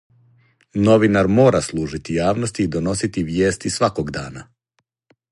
Новинар мора служити јавности и доносити вијести сваког дана.